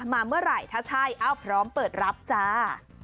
มาเมื่อไหร่ถ้าใช่เอ้าพร้อมเปิดรับจ้า